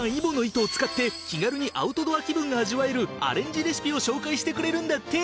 糸を使って気軽にアウトドア気分が味わえるアレンジレシピを紹介してくれるんだって。